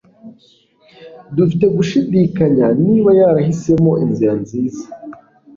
dufite gushidikanya niba yarahisemo inzira nziza